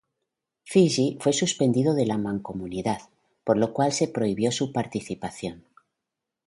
Fiyi fue suspendido de la Mancomunidad, por lo cual se prohibió su participación.